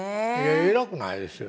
偉くないですよ。